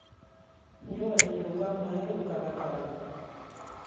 Nyi wa hiluka mwehe wa kalakala.